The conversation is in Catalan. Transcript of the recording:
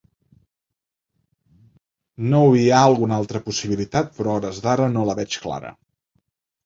Nou-Hi ha alguna altra possibilitat però hores d’ara no la veig clara.